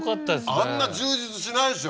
あんな充実しないでしょ？